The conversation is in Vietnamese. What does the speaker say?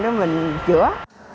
để mình chữa